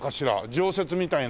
常設みたいな。